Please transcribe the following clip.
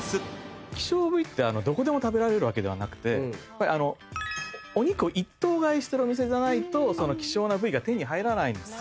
希少部位ってどこでも食べられるわけではなくてお肉を一頭買いしてるお店じゃないと希少な部位が手に入らないんですよ。